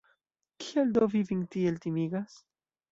Kial do vi vin tiel timigas?